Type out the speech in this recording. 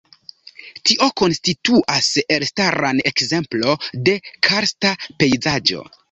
Tio konstituas elstaran ekzemplo de karsta pejzaĝo.